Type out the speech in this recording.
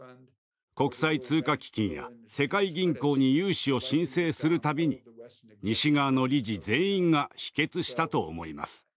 国際通貨基金や世界銀行に融資を申請するたびに西側の理事全員が否決したと思います。